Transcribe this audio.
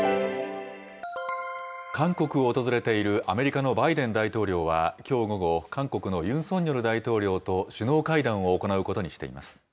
韓国を訪れているアメリカのバイデン大統領はきょう午後、韓国のユン・ソンニョル大統領と首脳会談を行うことにしています。